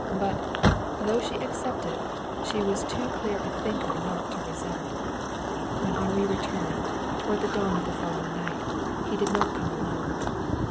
But, though she accepted, she was too clear a thinker not to resent. When Henri returned, toward dawn of the following night, he did not come alone.